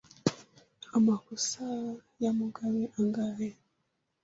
Amakosa ya Mugabe angahe?